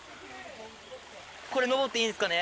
これ登っていいんですかね？